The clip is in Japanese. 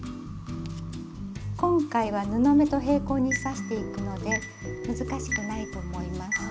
今回は布目と平行に刺していくので難しくないと思います。